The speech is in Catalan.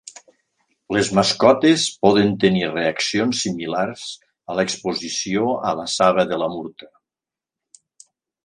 Les mascotes poden tenir reaccions similars a l'exposició a la saba de la murta.